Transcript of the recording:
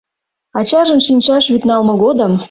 Ачажын шинчаш вӱд налме годым